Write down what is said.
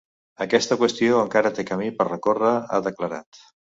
Aquesta qüestió encara té camí per recórrer, ha declarat.